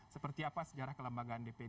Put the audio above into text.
seperti apa sejarah kelembagaan dpd